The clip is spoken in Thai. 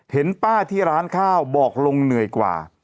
เห็นป้าที่ร้านข้าวบอกลุงเหนื่อยกว่า